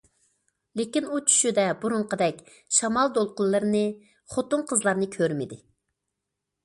لېكىن ئۇ چۈشىدە بۇرۇنقىدەك شامال دولقۇنلىرىنى، خوتۇن- قىزلارنى كۆرمىدى.